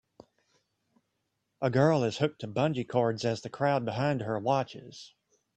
A girl is hooked to bungee cords as the crowd behind her watches.